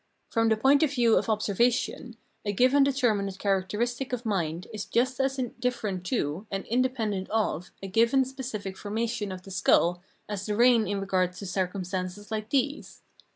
From the point of view of observation a given determinate characteristic of mind is just as indifferent to and independent of a given specific formation of the skull as the rain in regard to circumstances hke these.